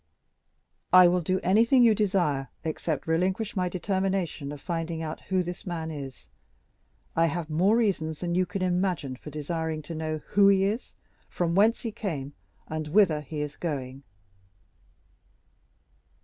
"I will do anything you desire, except relinquish my determination of finding out who this man is. I have more reasons than you can imagine for desiring to know who he is, from whence he came, and whither he is going."